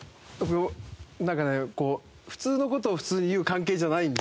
なんかねこう普通の事を普通に言う関係じゃないんで。